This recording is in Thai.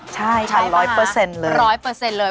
ใช่ค่ะ๑๐๐เลย